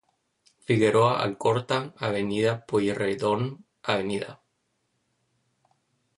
Figueroa Alcorta, Av Pueyrredon, Av.